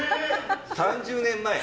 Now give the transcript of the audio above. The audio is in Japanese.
３０年前。